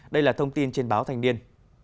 đây là thông tin trên báo thanh niên